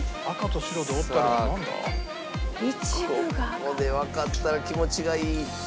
ここでわかったら気持ちがいい。